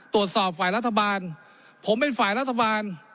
ตรวจสอบฝ่ายรัฐบาลผมเป็นฝ่ายรัฐบาล